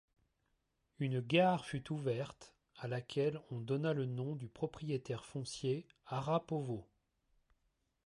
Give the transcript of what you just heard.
Une gare fut ouverte, à laquelle on donna le nom du propriétaire foncier Arapovo.